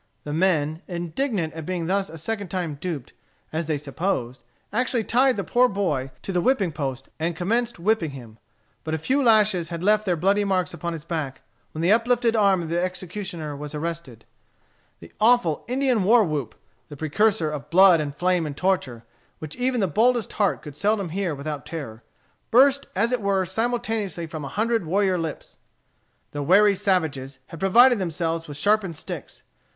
The men, indignant at being thus a second time duped, as they supposed, actually tied the poor boy to the whipping post and commenced whipping him. But a few lashes had left their bloody marks upon his back when the uplifted arm of the executioner was arrested. The awful Indian war whoop, the precursor of blood and flame and torture, which even the boldest heart could seldom hear without terror, burst as it were simultaneously from a hundred warrior lips. The wary savages had provided themselves with sharpened sticks.